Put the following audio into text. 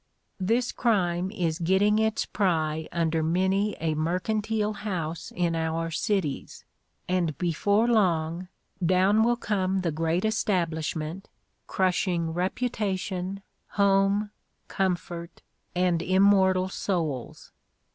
This crime is getting its pry under many a mercantile house in our cities, and before long down will come the great establishment, crushing reputation, home, comfort, and immortal souls.